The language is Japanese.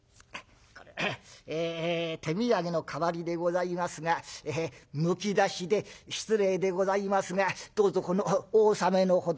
ええ手土産の代わりでございますがむき出しで失礼でございますがどうぞこのお納めのほど」。